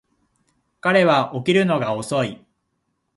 彼は起きるのが遅い